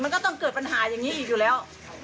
มันก็ต้องเกิดปัญหาอย่างนี้อีกอยู่แล้ว